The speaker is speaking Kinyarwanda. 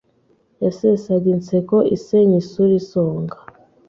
yasesaga inseko isenya isura isonga,